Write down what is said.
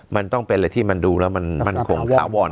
มันต้องเป็นอะไรที่มันดูแล้วมันคงถาวร